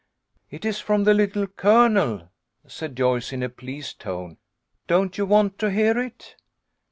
" It is from the Little Colonel," said Joyce, in a pleased tone. " Don't you want to hear it